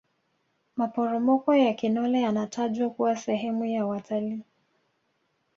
maporomoko ya kinole yanatajwa kuwa sehemu ya watalii